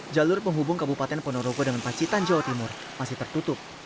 jalur penghubung kabupaten ponorogo dengan pacitan jawa timur masih tertutup